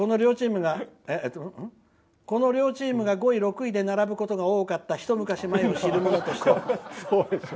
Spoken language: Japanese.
「この両チームが５位、６位で並ぶことが多かったひと昔前を知る者としては」